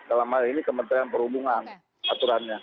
dalam hal ini kementerian perhubungan aturannya